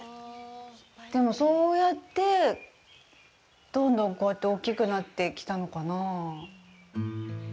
でも、そうやって、どんどんこうやって大きくなってきたのかなあ。